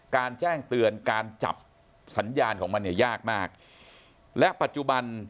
แจ้งเตือนการจับสัญญาณของมันเนี่ยยากมากและปัจจุบัน